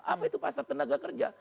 apa itu pasar tenaga kerja